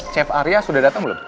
chef arya sudah datang belum